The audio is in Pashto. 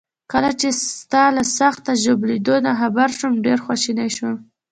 کله چي ستا له سخت ژوبلېدو نه خبر شوم، ډیر خواشینی شوم.